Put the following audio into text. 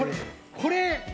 これ。